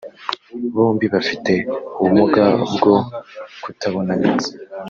bombi bafite ubumuga bwo kutabona neza